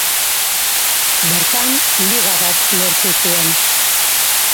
Bertan Liga bat lortu zuen.